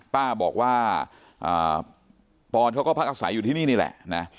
ป้าบอกว่าปอนเขาก็พักอาศัยอยู่ที่นี่นี่แหละนะ